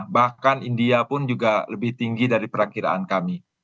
bahkan india pun juga lebih tinggi dari perakiraan kami